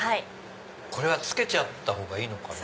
これはつけちゃった方がいいのかな。